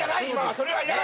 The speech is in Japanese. それはいらない。